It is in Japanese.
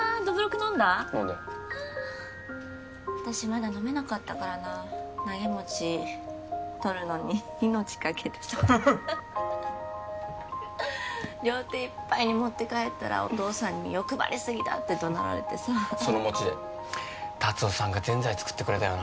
飲んだよああ私まだ飲めなかったからなあ投げ餅取るのに命かけてた両手いっぱいに持って帰ったらお父さんに「欲張りすぎだ」って怒鳴られてさその餅で達雄さんがぜんざい作ってくれたよな